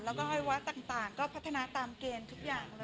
แล้วก็ให้วัดต่างก็พัฒนาตามเกณฑ์ทุกอย่าง